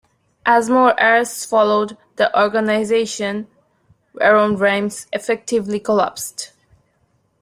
As more arrests followed, the organisation around Reims effectively collapsed.